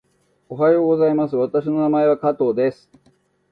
おはようございます。私の名前は加藤です。